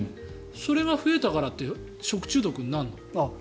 それが増えたからって食中毒になるの？